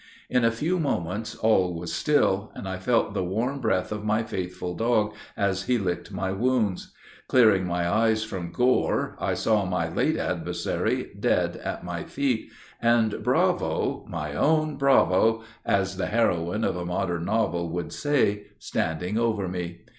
In a few moments, all was still, and I felt the warm breath of my faithful dog, as he licked my wounds. Clearing my eyes from gore, I saw my late adversary dead at my feet, and Bravo, 'my own Bravo,' as the heroine of a modern novel would say standing over me.